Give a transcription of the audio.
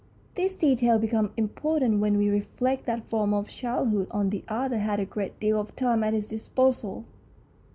These details become impor tant when we reflect that from his childhood on the author had a great deal of time at his disposal.